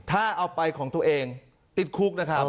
ถ้าเอาไปของตัวเองติดคุกนะครับ